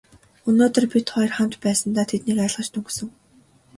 Өнөөдөр бид хоёр хамт байсандаа тэднийг айлгаж дөнгөсөн.